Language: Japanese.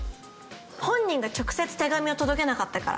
本人が直接手紙を届けなかったから。